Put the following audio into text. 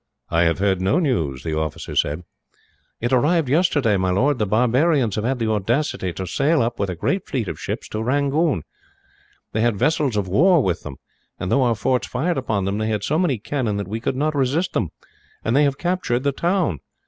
"I have heard no news," the officer said. "It arrived here yesterday, my lord. The barbarians have had the audacity to sail up, with a great fleet of ships, to Rangoon. They had vessels of war with them and, though our forts fired upon them, they had so many cannon that we could not resist them, and they have captured the town.